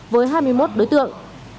với hai mươi một đối tượng